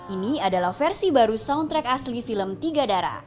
ini adalah versi baru soundtrack asli film tiga darah